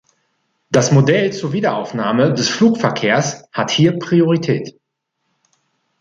Das Modell zur Wiederaufnahme des Flugverkehrs hat hier Priorität.